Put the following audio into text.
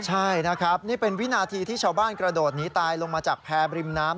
ใช่นะครับนี่เป็นวินาทีที่ชาวบ้านกระโดดหนีตายลงมาจากแพร่บริมน้ำ